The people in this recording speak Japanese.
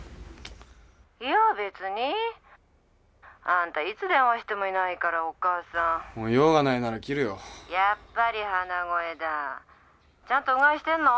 ☎いやべつに☎アンタいつ電話してもいないからお母さん用がないなら切るよ☎やっぱり鼻声だ☎ちゃんとうがいしてるの？